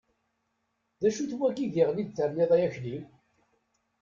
D acu-t wagi diɣen i d-terniḍ ay Akli?